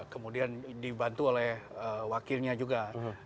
kemudian dibantu oleh wakilnya juga